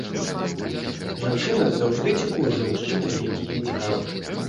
Жанчына заўжды цікуе за мужчынам, які ёй цікавы.